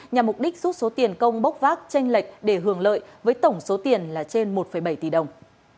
nhằm mục đích rút số tiền công bốc vác tranh lệch để hưởng lợi với tổng số tiền là trên một bảy tỷ đồng